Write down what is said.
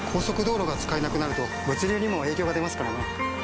速道路が使えなくなると物流にも影響が出ますからね。